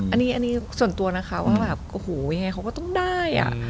อันนี้ส่วนตัวนะคะว่ายังไงเขาก็ต้องได้